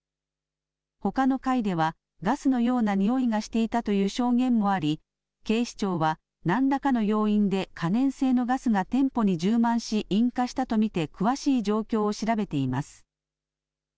ほかの階ではガスのようなにおいがしていたという証言もあり警視庁は何らかの要因で可燃性のガスが店舗に充満し引火したと見て詳しい状況を調べています。